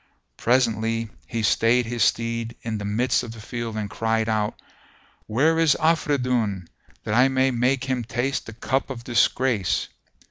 Presently he stayed his steed in the midst of the field and cried out, "Where is Afridun, that I may make him taste the cup of disgrace?"